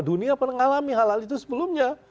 dunia pernah mengalami hal hal itu sebelumnya